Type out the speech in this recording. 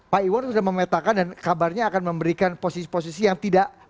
pak iwan sudah memetakan dan kabarnya akan memberikan posisi posisi yang tidak